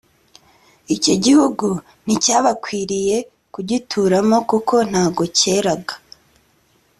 icyo gihugu nticyabakwiriye kugituranamo kuko ntago keraga